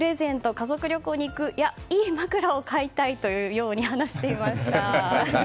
家族旅行に行くいい枕を買いたいというように話していました。